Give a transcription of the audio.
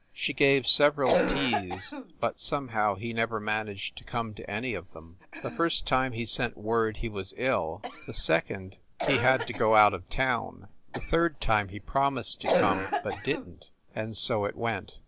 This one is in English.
She gave several teas, but somehow he never managed to come to any of them. The first time he sent word he was ill, the second he had to go out of town, the third time he promised to come but didn t and so it went.